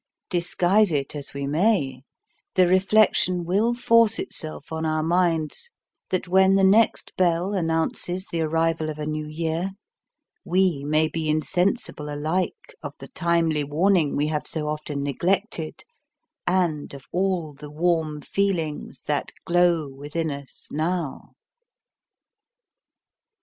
Disguise it as we may, the reflection will force itself on our minds, that when the next bell announces the arrival of a new year, we may be insensible alike of the timely warning we have so often neglected, and of all the warm feelings that glow within us now.